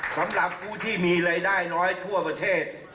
สำหรับผู้ที่มีรายได้น้อยทั่วประเทศ